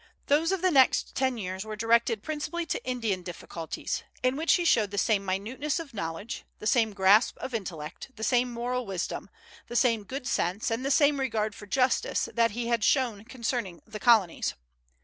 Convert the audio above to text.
Those of the next ten years were directed principally to Indian difficulties, in which he showed the same minuteness of knowledge, the same grasp of intellect, the same moral wisdom, the same good sense, and the same regard for justice, that he had shown concerning the colonies.